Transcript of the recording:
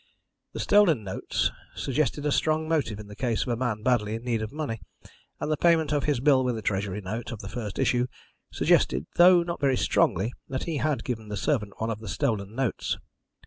The stolen notes suggested a strong motive in the case of a man badly in need of money, and the payment of his bill with a Treasury note of the first issue suggested though not very strongly that he had given the servant one of the stolen notes.